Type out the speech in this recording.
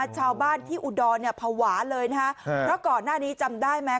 ชาวบ้านที่อุดรเนี่ยภาวะเลยนะฮะเพราะก่อนหน้านี้จำได้ไหม